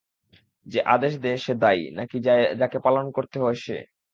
যে আদেশ দেয় সে দায়ী, নাকি যাকে পালন করতে হয় সে?